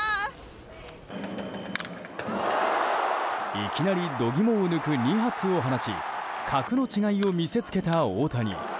いきなり度肝を抜く２発を放ち格の違いを見せつけた大谷。